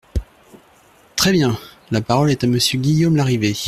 Très bien ! La parole est à Monsieur Guillaume Larrivé.